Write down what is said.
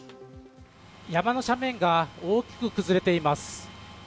山の斜面が大きく崩れています。